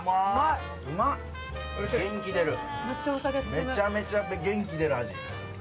めちゃめちゃ元気出る味。